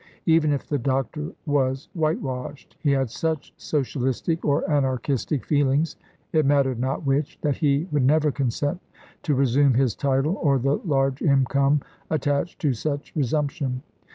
Even if the doctor was whitewashed, he had such socialistic or anarchistic feelings it mattered not which that he would never consent to resume his title or the large income attached to such resumption.